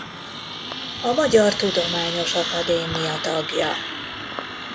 A Magyar Tudományos Akadémia tagja.